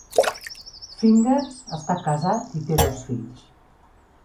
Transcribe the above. Fingers està casat i té dos fills.